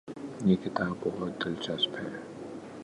یہ کتاب بہت دلچسپ ہے